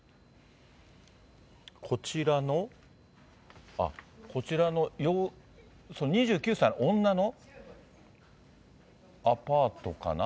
こちらの、こちらの２９歳の女のアパートかな？